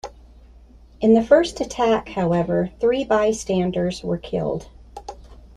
In the first attack, however, three bystanders were killed.